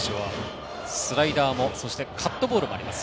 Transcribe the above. スライダーもそしてカットボールもあります。